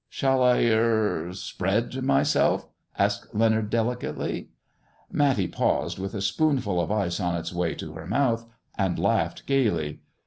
" Shall I — er — spread myself 1 " asked Leonard, delicately. Matty paused, with a spoonful of ice on its way to her mouth, and laughed gaily.